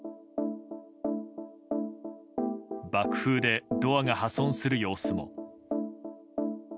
爆風でドアが破損する様子も。